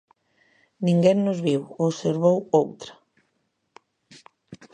Ninguén nos viu... observou outra.